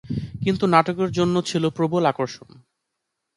কিন্তু নাটকের জন্য ছিল প্রবল আকর্ষণ।